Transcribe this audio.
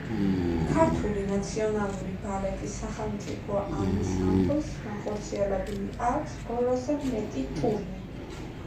ქართული ნაციონალური ბალეტის სახელმწიფო ანსამბლს განხორციელებული აქვს ორასზე მეტი ტურნე.